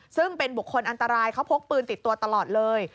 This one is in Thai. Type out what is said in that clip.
ซึ่งเป็นบุคคลอันตรายเขาพกปืนติดตัวตลอดเลย